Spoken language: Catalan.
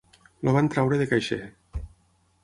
El van treure de caixer.